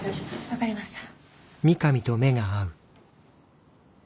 分かりました。